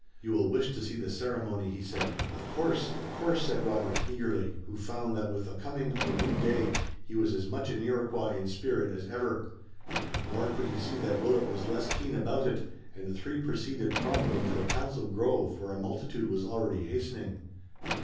"You will wish to see the ceremony," he said. "Of course, of course!" said Robert, eagerly, who found that with the coming of a new day he was as much an Iroquois in spirit as ever. Nor could he see that Willet was less keen about it and the three proceeded promptly to the council grove where a multitude was already hastening.